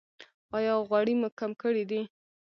ایا غوړي مو کم کړي دي؟